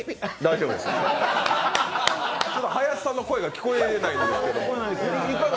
林さんの声が聞こえないんですけど。